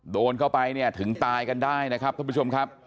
โดนเข้าไปเนี่ยถึงตายกันได้นะครับท่านผู้ชมครับ